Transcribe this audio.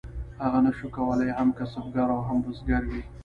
هغه نشو کولی هم کسبګر او هم بزګر وي.